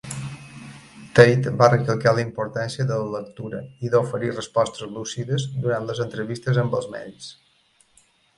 Tate va recalcar la importància de la lectura i d"oferir respostes lúcides durant les entrevistes amb els medis.